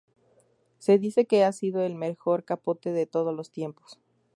Se dice que ha sido el mejor capote de todos los tiempos.